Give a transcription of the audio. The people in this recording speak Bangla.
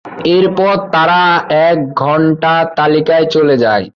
এরপর তারা এক ঘন্টার তালিকায় চলে যায়।